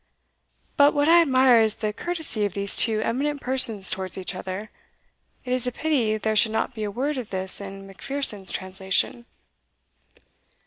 But what I admire is the courtesy of these two eminent persons towards each other. It is a pity there should not be a word of this in Macpherson's translation."